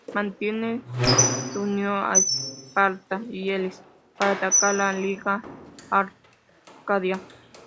Mantinea se unió a Esparta y Elis para atacar la Liga Arcadia.